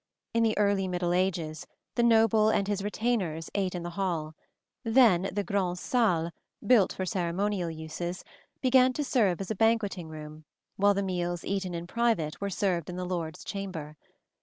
In the early middle ages the noble and his retainers ate in the hall; then the grand'salle, built for ceremonial uses, began to serve as a banqueting room, while the meals eaten in private were served in the lord's chamber.